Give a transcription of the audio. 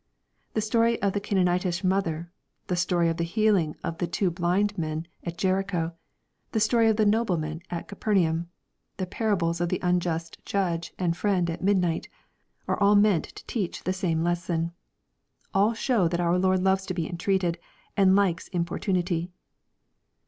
The story of the Canaan itish mother, the story of the healing of two blind men at Jericho, the story of the nobleman at Capernaum, the parables of the unjust judge and friend at midnight, are all meant to teach the same lesson. All show that our Lord loves to be entreated, and likes importunity.